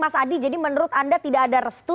mas adi jadi menurut anda tidak ada restu